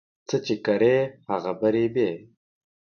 څه چي کرې، هغه به رېبې.